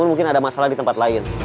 mungkin ada masalah di tempat lain